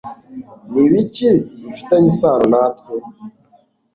Ni ibiki bifitanye isano natwe?